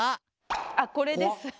あっこれです。